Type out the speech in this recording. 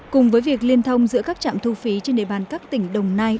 cùng với việc liên thông giữa các trạm thu phí trên địa bàn các tỉnh đồng nai